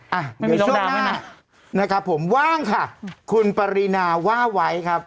ช่วงหน้านะครับผมว่างค่ะคุณปรีนาว่าไว้ครับ